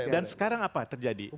dan sekarang apa terjadi